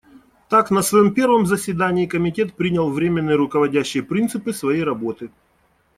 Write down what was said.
Так, на своем первом заседании Комитет принял временные руководящие принципы своей работы.